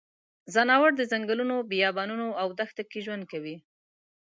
ځناور د ځنګلونو، بیابانونو او دښته کې ژوند کوي.